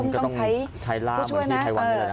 ก็ต้องใช้ล่าเหมือนที่ไทยวันเลยนะครับ